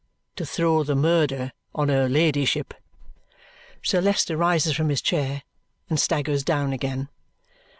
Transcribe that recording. To throw the murder on her ladyship." Sir Leicester rises from his chair and staggers down again.